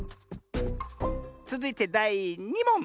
つづいてだい２もん！